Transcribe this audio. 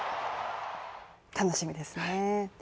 楽しみですね